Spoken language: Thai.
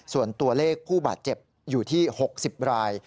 ส่วนตัวเลขผู้บาดเจ็บอยู่ที่๖๐ราย